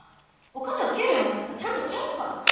お金は給料もらったらちゃんと返すから。